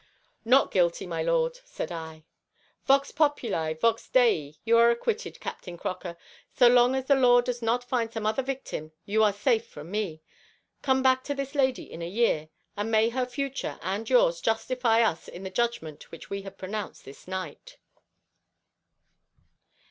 "Not guilty, my lord," said I. "Vox populi, vox Dei. You are acquitted, Captain Croker. So long as the law does not find some other victim you are safe from me. Come back to this lady in a year, and may her future and yours justify us in the judgment which we have pronounced this night."